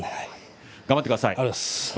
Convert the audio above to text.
頑張ってください。